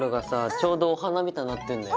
ちょうどお花みたいになってんだよ。